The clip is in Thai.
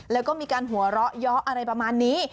แล้วก็มีการหัวเราะเยาะอะไรประมาณนี้